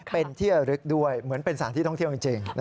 เป็นที่ระลึกด้วยเหมือนเป็นสถานที่ท่องเที่ยวจริง